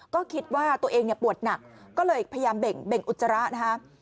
ก็คิดว่าตัวเองปวดหนักก็เลยพยายามเบ่งอุจจาระนะครับ